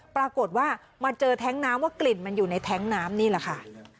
ปรากฏว่ามาเจอแท้งน้ำว่ากลิ่นมันอยู่ในแท้งน้ำนี่แหละค่ะ